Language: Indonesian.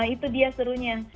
itu dia serunya